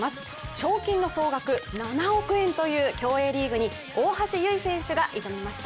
賞金の総額７億円という競泳リーグに大橋悠依選手が挑みました。